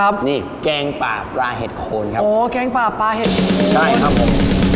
ครับนี่แกงปลาปลาเห็ดโคลนครับโอ้ยแกงปลาปลาเห็ดโคลนใช่ครับผม